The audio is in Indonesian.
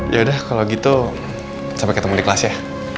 yaudah kalau gitu sampai ketemu di kelas ya